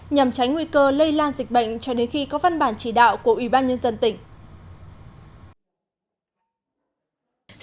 nhằm tránh nguy cơ lây lan dịch bệnh cho đến khi có văn bản chỉ đạo của ủy ban nhân dân tỉnh